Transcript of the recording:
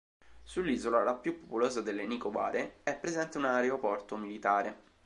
Sull'isola, la più popolosa delle Nicobare, è presente un aeroporto militare.